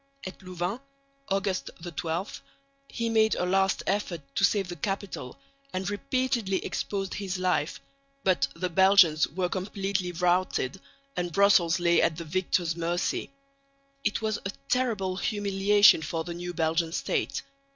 At Louvain (August 12) he made a last effort to save the capital and repeatedly exposed his life, but the Belgians were completely routed and Brussels lay at the victor's mercy. It was a terrible humiliation for the new Belgian state.